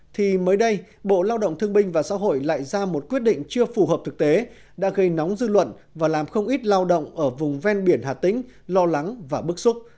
thì mới đây bộ lao động thương binh và xã hội lại ra một quyết định chưa phù hợp thực tế đã gây nóng dư luận và làm không ít lao động ở vùng ven biển hà tĩnh lo lắng và bức xúc